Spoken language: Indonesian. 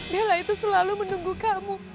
bella itu selalu menunggu kamu